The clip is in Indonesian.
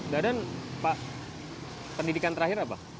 dadan pak pendidikan terakhir apa